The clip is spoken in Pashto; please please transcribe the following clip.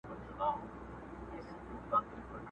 نه دېوال نه كنډواله نه قلندر وو.!